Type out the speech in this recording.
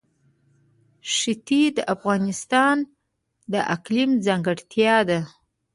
ښتې د افغانستان د اقلیم ځانګړتیا ده.